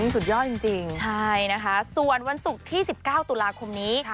สุดยอดจริงใช่นะคะส่วนวันศุกร์ที่๑๙ตุลาคมนี้